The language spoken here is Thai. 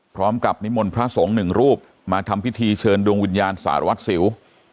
พร้อมกับนิมนต์พระสงฆ์หนึ่งรูปมาทำพิธีเชิญดวงวิญญาณสารวัตรสิว